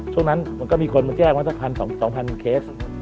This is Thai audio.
ช่วงนั้นมันก็มีคนแจ้งมาสัก๑๐๐๐๒๐๐๐เคส